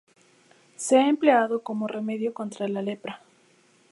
Se ha empleado como remedio contra la lepra.